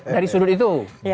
dari sudut itu